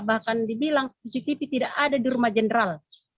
bahkan dibilang cctv tidak ada di rumah jenderal